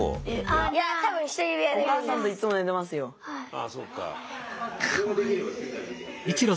ああそうか。